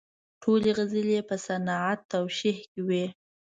ټولې غزلې یې په صنعت توشیح کې وې.